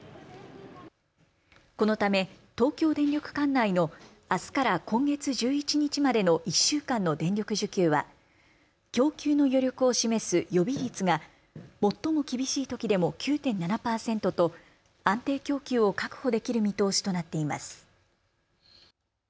このため東京電力管内のあすから今月１１日までの１週間の電力需給は供給の余力を示す予備率が最も厳しいときでも９．７％と安定供給を確保できる見通しとなっています。